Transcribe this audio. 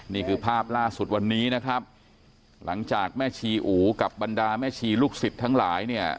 นี่คือภาพล่าสุดวันนี้นะครับหลังจากแม่ชีอู๋กับบรรดาแม่ชีลูกศิษย์ทั้งหลายเนี่ย